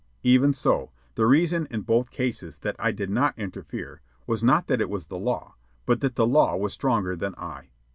Even so, the reason in both cases that I did not interfere was not that it was the law, but that the law was stronger than I.